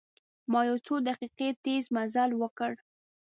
ما یو څو دقیقې تیز مزل وکړ.